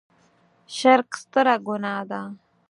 شرک ستره ګناه ده.